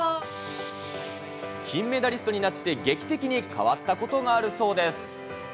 金メダリストになって、劇的に変わったことがあるそうです。